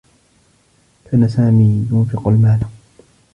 كان سامي ينفق المال.